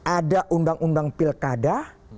ada undang undang pilkada